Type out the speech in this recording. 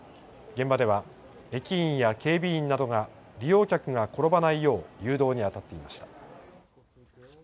現場では、駅員や警備員などが利用客が転ばないよう誘導に当たっていました。